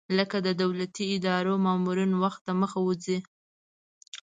لکه د دولتي ادارو مامورین وخت دمخه وځي.